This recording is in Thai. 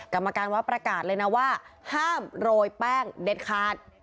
กรรมการวัดประกาศเลยนะว่าห้ามโรยแป้งเด็ดขาด